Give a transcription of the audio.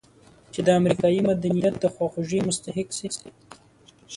چې د امریکایي مدنیت د خواخوږۍ مستحق شي.